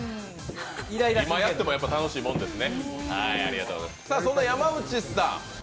今やっても楽しいものですね。